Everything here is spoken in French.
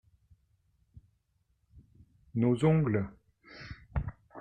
Nos ongles.